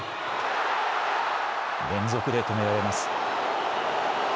連続で止められます。